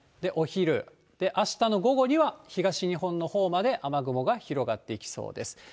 お昼、で、あしたの午後には東日本のほうまで雨雲が広がっていきそうです。